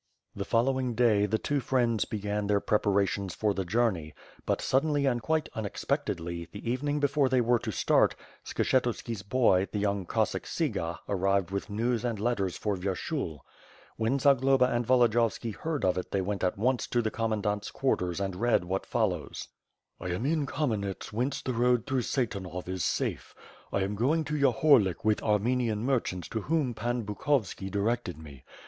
The following day, the two friends began their prepara tions for the journey, but, suddenly and quite unexpectedly, the evening before they were to start, Skshetuski's boy, the young Cossack Cyga arrived with news and letters for Vyer shul. When Zagloba and Volodiyovski heard of it they went at once to the commandant's quarters and read what follows: "I am in Kamenets whence the road through Satanov is safe. I am going to Yahorlik with Armenian merchants to whom Pan Bukovski directed me.